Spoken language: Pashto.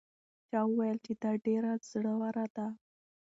چا وویل چې دا ډېره زړه وره ده.